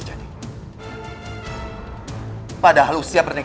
mau aku pakai bikin